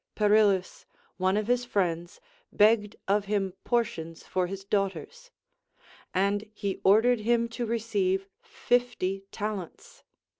Perillus, one of his friends, begged of him portions for his daughters ; and he ordered him to receive fifty talents.